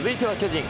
続いては巨人。